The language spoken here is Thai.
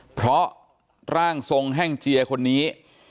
เพราะร่างทรงแห้งเจียคนนี้